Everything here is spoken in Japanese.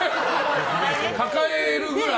抱えるくらい。